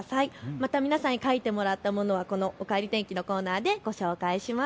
また皆さんに描いてもらったものはおかえり天気のコーナーでご紹介します。